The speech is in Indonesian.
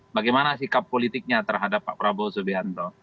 bagaimana sikap politiknya terhadap pak prabowo subianto